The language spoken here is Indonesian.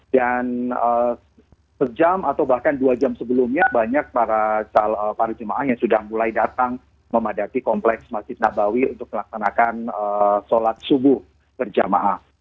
dan sejam atau bahkan dua jam sebelumnya banyak para jemaah yang sudah mulai datang memadati kompleks masjid nabawi untuk melaksanakan sholat subuh berjamaah